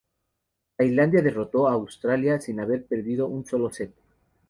Tailandia derrotó a Australia sin haber perdido un solo set.